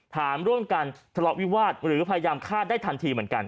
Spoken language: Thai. ถามร่วมกันทะเลาะวิวาสหรือพยายามฆ่าได้ทันทีเหมือนกัน